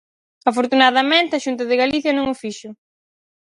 Afortunadamente, a Xunta de Galicia non o fixo.